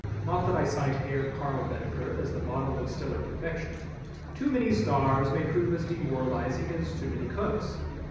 Not that I cite Herr Karl Baedeker as the model of stellar perfection. Too many stars may prove as demoralizing as too many cooks.